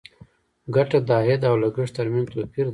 ګټه د عاید او لګښت تر منځ توپیر دی.